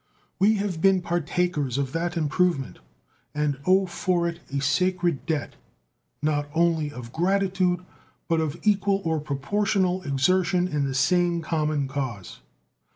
We have been partakers of that improvement and owe for it a sacred debt, not only of gratitude, but of equal or proportional exertion in the same common cause.